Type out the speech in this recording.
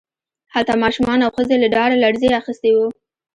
هلته ماشومان او ښځې له ډاره لړزې اخیستي وو